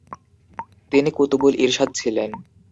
তিনি কুতুবুল ইরশাদ ছিলেন”।